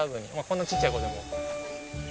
こんなちっちゃい子でも。